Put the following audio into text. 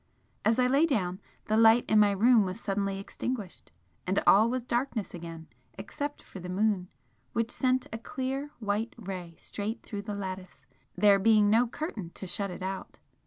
As I lay down, the light in my room was suddenly extinguished, and all was darkness again except for the moon, which sent a clear white ray straight through the lattice, there being no curtain to shut it out.